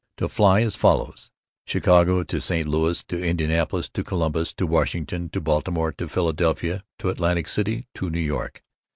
To fly as follows: Chicago to St. Louis to Indianapolis to Columbus to Washington to Baltimore to Philadelphia to Atlantic City to New York.